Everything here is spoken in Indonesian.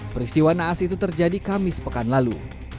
peristiwa naas itu terjadi kamis pekan lalu